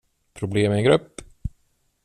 Problem med en grupp!